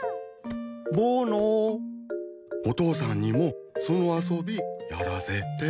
ぼのお父さんにもその遊びやらせて。